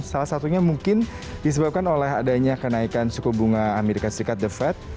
salah satunya mungkin disebabkan oleh adanya kenaikan suku bunga amerika serikat the fed